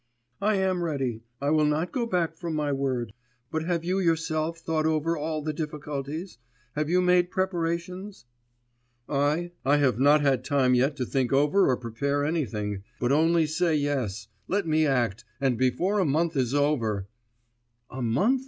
'I am ready. I will not go back from my word. But have you yourself thought over all the difficulties have you made preparations?' 'I? I have not had time yet to think over or prepare anything, but only say yes, let me act, and before a month is over....' 'A month!